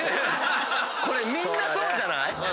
みんなそうじゃない？